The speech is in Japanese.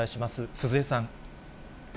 鈴江さん。